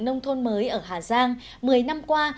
nông thôn mới ở hà giang một mươi năm qua